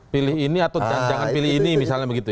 pilih ini atau jangan pilih ini misalnya begitu ya